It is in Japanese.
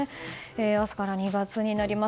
明日から２月になります。